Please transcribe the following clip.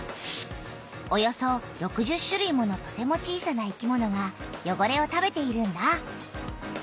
およそ６０種類ものとても小さな生きものがよごれを食べているんだ。